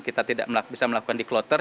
kita tidak bisa melakukan di kloter